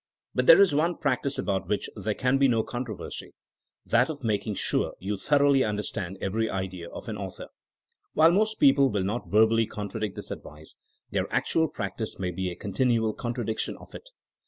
But there is one practice about which there can be no controversy — ^that of making sure you thoroughly understand every idea of an author. While most people will not verbally contradict this advice, their actual practice may be a continual contradiction of it.